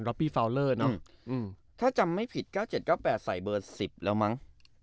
ล็อปปี้ฟาวเลอร์เนอะอืมถ้าจำไม่ผิดเก้าเจ็ดเก้าแปดใส่เบอร์สิบแล้วมั้ง